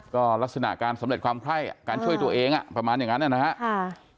ก็ลักษณะการสำเร็จความไคร้การช่วยตัวเองประมาณอย่างนั้นนะครับ